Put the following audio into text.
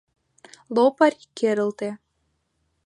— Лопарь керылте.